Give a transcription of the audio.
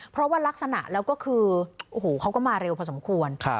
เพราะว่ารักษณะแล้วก็คือโอ้โหเขาก็มาเร็วพอสมควร